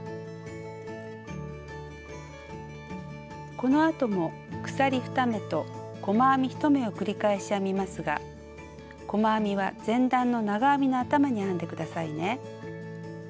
このあとも鎖２目と細編み１目を繰り返し編みますが細編みは前段の長編みの頭に編んでくださいね。